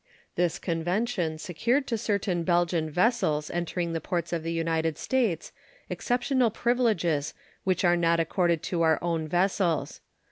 This convention secured to certain Belgian vessels entering the ports of the United States exceptional privileges which are not accorded to our own vessels.